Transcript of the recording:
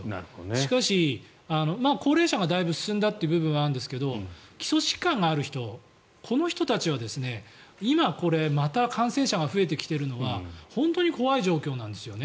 しかし、高齢者がだいぶ進んだという部分はあるんですが基礎疾患がある人この人たちは今、また感染者が増えてきているのは本当に怖い状況なんですよね。